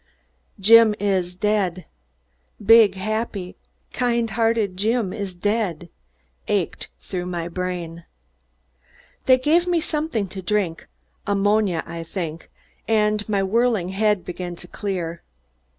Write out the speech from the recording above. "Jim is dead big, happy, kind hearted Jim is dead" ached through my brain. They gave me something to drink ammonia, I think and my whirling head began to clear.